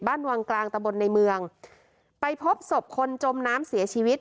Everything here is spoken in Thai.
บ้านวังกลางตะบนในเมืองไปพบศพคนจมน้ำเสียชีวิต